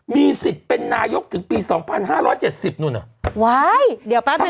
มีสิทธิ์เป็นนายกถึงปีสองพันห้าร้อยเจ็ดสิบนู่นเหรอว้ายเดี๋ยวแป๊บทำไม